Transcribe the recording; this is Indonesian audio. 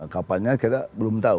kapalnya kita belum tahu